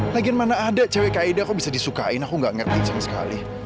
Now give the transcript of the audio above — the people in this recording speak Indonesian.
lagian mana ada cewek aida kok bisa disukain aku gak ngerti sama sekali